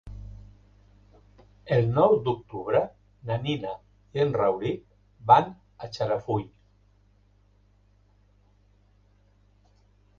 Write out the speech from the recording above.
El nou d'octubre na Nina i en Rauric van a Xarafull.